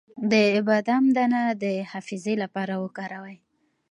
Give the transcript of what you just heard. د بادام دانه د حافظې لپاره وکاروئ